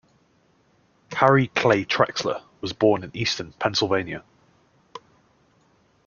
Harry Clay Trexler was born in Easton, Pennsylvania.